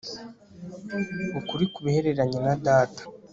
ukuri ku bihereranye na data